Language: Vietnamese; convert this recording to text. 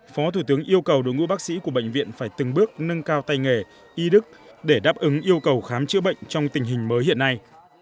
phó thủ tướng yêu cầu đội ngũ bác sĩ của bệnh viện phải từng bước nâng cao tay nghề y đức để đáp ứng yêu cầu khám chữa bệnh trong tình hình mới hiện nay